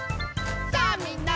「さあみんな！